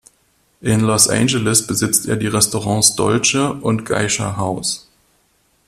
In Los Angeles besitzt er die Restaurants Dolce und Geisha House.